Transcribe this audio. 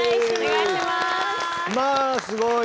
まあすごい！